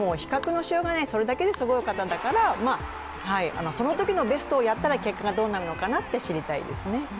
それだけですごい方だから、そのときのベストをやったら結果がどうなるのかなって知りたいですね。